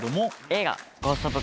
映画。